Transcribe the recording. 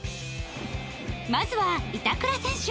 まずは板倉選手。